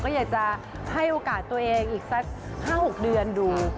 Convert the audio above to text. ก็อยากจะให้โอกาสตัวเองอีกสัก๕๖เดือนดู